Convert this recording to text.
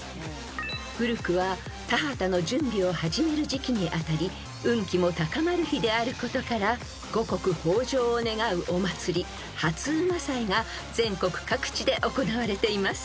［古くは田畑の準備を始める時期にあたり運気も高まる日であることから五穀豊穣を願うお祭り初午祭が全国各地で行われています］